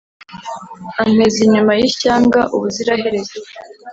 ampeza inyuma y’ishyanga ubuziraherezo.